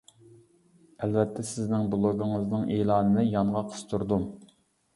ئەلۋەتتە سىزنىڭ بىلوگىڭىزنىڭ ئېلانىنى يانغا قىستۇردۇم.